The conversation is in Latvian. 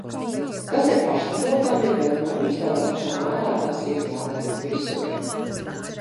Tas ir pašsaprotami, bet mums tādā pašā mērā tas ir jādara visur.